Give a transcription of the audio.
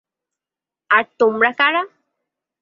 আর তোমরা কারা?